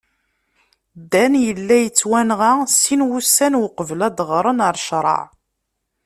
Dan yella yettwanɣa sin wussan uqbel ad d-aɣren ɣer ccreɛ.